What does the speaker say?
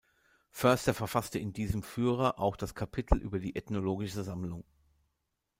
Förster verfasste in diesem Führer auch das Kapitel über die ethnologische Sammlung.